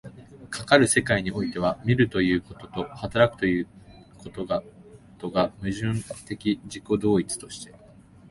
かかる世界においては、見るということと働くということとが矛盾的自己同一として、